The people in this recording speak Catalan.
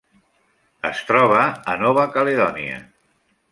Es troba a Nova Caledònia.